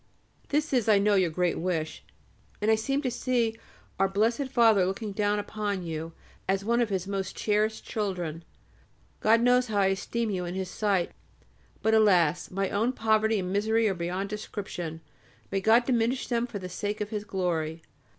This is, I know, your great wish, and I seem to see our Blessed Father looking down upon you as one of His most cherished children. God knows how I esteem you in His sight. But alas! my own poverty and misery are beyond description. May God diminish them for the sake of His glory.